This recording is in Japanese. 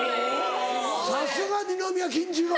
・さすが二宮金次郎！